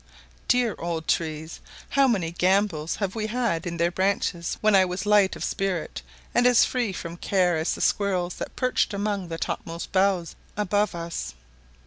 Dear old trees! how many gambols have we had in their branches when I was as light of spirit and as free from care as the squirrels that perched among the topmost boughs above us.